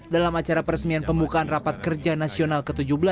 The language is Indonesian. dalam acara peresmian pembukaan rapat kerja nasional ke tujuh belas